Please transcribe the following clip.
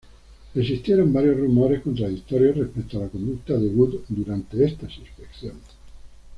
Existieron varios rumores contradictorios respecto a la conducta de Wood durante estas inspecciones.